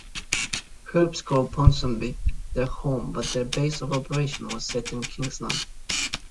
Herbs call Ponsonby their home, but their base of operations was set in Kingsland.